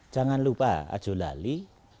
jangan lupa ajo lali